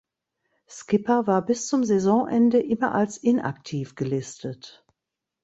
Skipper war bis zum Saisonende immer als inaktiv gelistet.